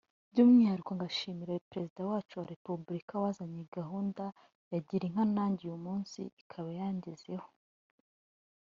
By’umwihariko nkaba nshimira Perezida wacu wa repubulika wazanye iyi gahunda ya Girinka nange uyu munsi ikaba yangezeho”